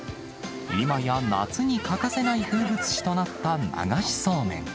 今や夏に欠かせない風物詩となった流しそうめん。